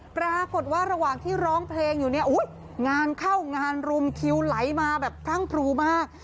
ปรากฏว่าระหว่างที่ร้องเพลงอยู่เนี่ยงานเข้างานรุมคิวไหลมาแบบพรั่งพรูมาก